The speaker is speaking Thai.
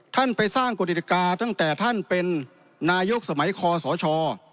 ท่านไปสร้างกฎิกาตั้งแต่ท่านเป็นนายกสมัยคอสช